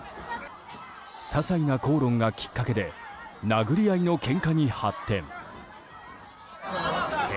ささいな口論がきっかけで殴り合いのけんかに発展。